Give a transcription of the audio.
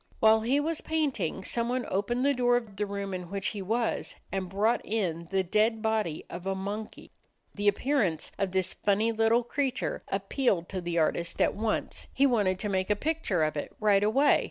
While he was painting, someone opened the door of the room in which he was and brought in the dead body of a monkey. The appearance of this funny little creature appealed to the artist at once. He wanted to make a picture of it right away.